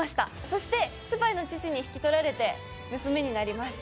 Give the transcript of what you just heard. そしてスパイの父に引き取られて娘になります。